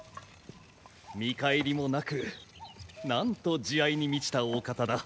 見返りもなくなんと慈愛に満ちたお方だ。